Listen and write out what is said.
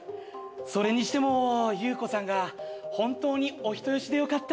それにしてもユウコさんが本当にお人よしでよかった。